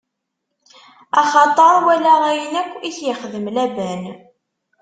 Axaṭer walaɣ ayen akk i k-ixdem Laban.